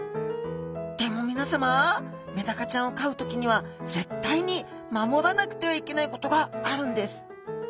でも皆さまメダカちゃんを飼う時には絶対に守らなくてはいけないことがあるんです。